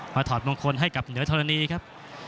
ถอดมงคลให้กับเหนือธรณีครับ